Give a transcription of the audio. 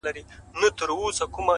كه ملاقات مو په همدې ورځ وسو،